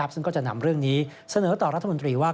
ซึ่งก็จะนำเรื่องนี้เสนอต่อรัฐมนตรีว่า